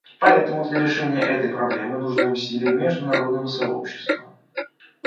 Поэтому для решения этой проблемы нужны усилия международного сообщества.